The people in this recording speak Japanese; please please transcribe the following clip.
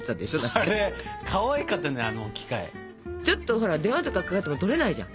ちょっとほら電話とかかかってきてもとれないじゃん。